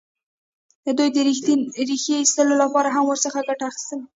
دوی د ریښې ایستلو لپاره هم ورڅخه ګټه اخیسته.